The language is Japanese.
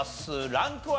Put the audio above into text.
ランクは？